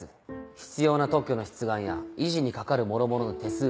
必要な特許の出願や維持にかかるもろもろの手数料。